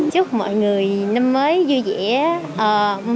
chúc mọi người năm mới vui vẻ